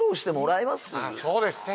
そうですね